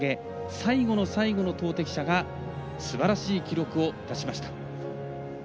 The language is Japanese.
最後の最後の投てき者がすばらしい記録を出しました。